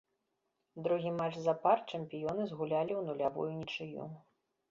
Другі матч запар чэмпіёны згулялі ў нулявую нічыю.